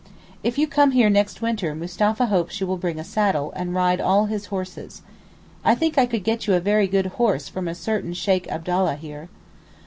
If you come here next winter Mustapha hopes you will bring a saddle, and ride 'all his horses.' I think I could get you a very good horse from a certain Sheykh Abdallah here.